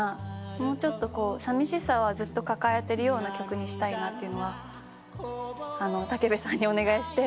もうちょっとこうさみしさはずっと抱えてるような曲にしたいなと武部さんにお願いして。